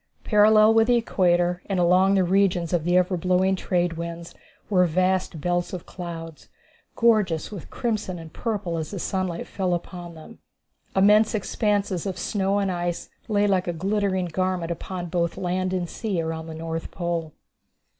Parallel with the Equator and along the regions of the ever blowing trade winds, were vast belts of clouds, gorgeous with crimson and purple as the sunlight fell upon them. Immense expanses of snow and ice lay like a glittering garment upon both land and sea around the North Pole.